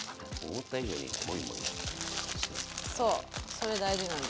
それ大事なんで。